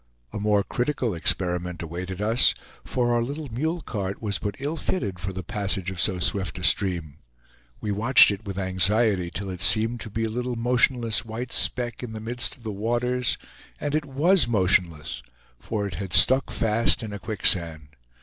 A more critical experiment awaited us; for our little mule cart was but ill fitted for the passage of so swift a stream. We watched it with anxiety till it seemed to be a little motionless white speck in the midst of the waters; and it WAS motionless, for it had stuck fast in a quicksand.